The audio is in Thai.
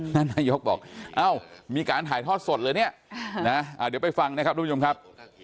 ไม่เคยรู้นะยกบอกอ้าวมีการถ่ายทอดสดหรือเนี่ยนะอ่าอ่าดีไปฟังครับทุกผู้ชมครับ